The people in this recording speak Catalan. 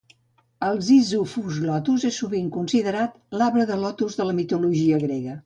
El "Ziziphus lotus" és sovint considerat l'arbre de lotus de la mitologia grega.